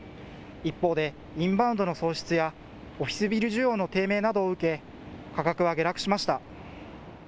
一方でインバウンドの喪失やオフィスビル需要の低迷などを受け価格は下落しました。